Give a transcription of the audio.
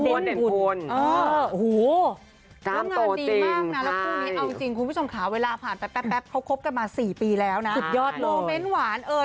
โหพวกงานดีมากนะคู่นี้เอาจริงคุณผู้ชมขาเวลาผ่านแป๊บเขาครบกันมา๔ปีแล้วนะ